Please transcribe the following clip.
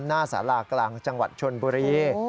หน้าสารากลางจังหวัดชนบุรี